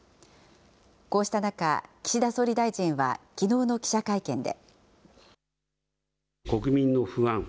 こうした中、岸田総理大臣はきのうの記者会見で。